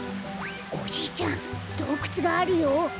おじいちゃんどうくつがあるよ。